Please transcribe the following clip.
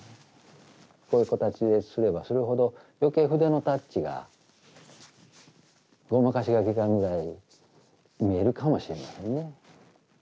こういう形ですればするほど余計筆のタッチがごまかしが利かんぐらい見えるかもしれないですね。